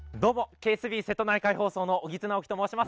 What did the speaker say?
ＫＳＢ瀬戸内海放送の荻津尚輝と申します。